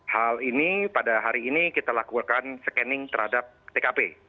hal ini pada hari ini kita lakukan scanning terhadap tkp